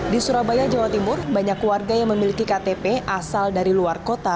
di surabaya jawa timur banyak warga yang memiliki ktp asal dari luar kota